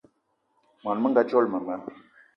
Món menga dzolo mema